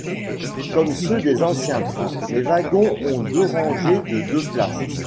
Comme ceux des anciens trains, les wagons ont deux rangées de deux places.